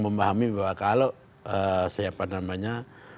memahami bahwa kalau